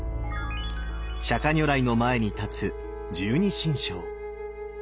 釈如来の前に立つ十二神将。